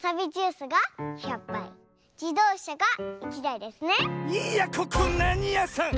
いやここなにやさん